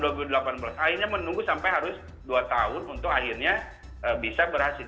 akhirnya menunggu sampai harus dua tahun untuk akhirnya bisa berhasil